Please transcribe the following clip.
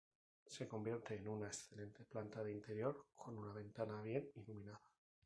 Se convierte en una excelente planta de interior con una ventana bien iluminada.